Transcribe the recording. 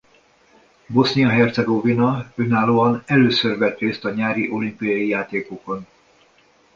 Bosznia-Hercegovina önállóan először vett részt a nyári olimpiai játékokon.